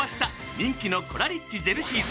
人気のコラリッチジェルシリーズ。